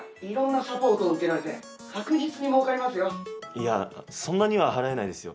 いやそんなには払えないですよ。